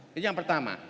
itu yang pertama